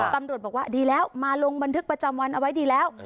ตำรวจบอกว่าดีแล้วมาลงบันทึกประจำวันเอาไว้ดีแล้ว